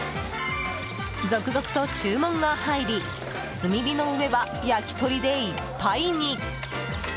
続々と注文が入り炭火の上は焼鳥でいっぱいに。